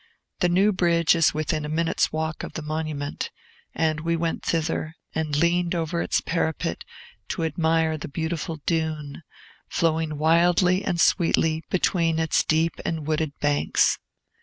The new bridge is within a minute's walk of the monument; and we went thither, and leaned over its parapet to admire the beautiful Doon, flowing wildly and sweetly between its deep and wooded banks.